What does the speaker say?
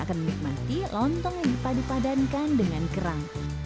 untuk lontong lain dipadankan dengan kerang